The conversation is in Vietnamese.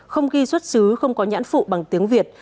không ghi xuất xứ không có nhãn phụ bằng tiếng việt